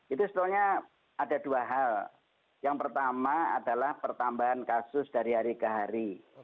itu sebetulnya ada dua hal yang pertama adalah pertambahan kasus dari hari ke hari